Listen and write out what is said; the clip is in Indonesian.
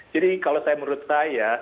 jadi kalau saya menurut saya